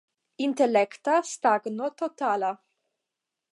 Intelekta stagno totala.